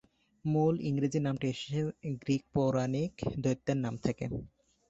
মূল ইংরেজি নামটি এসেছে গ্রীক পৌরাণিক দৈত্যের নাম থেকে।